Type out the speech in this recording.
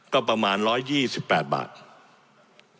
ก็ประมาณ๑๒๘บาท